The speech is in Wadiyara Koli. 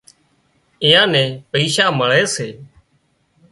اين ايئان نين پئيشا مۯي سي